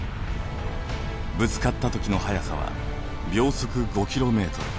ぶつかったときの速さは秒速５キロメートル。